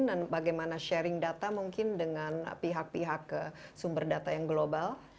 dan bagaimana sharing data mungkin dengan pihak pihak sumber data yang global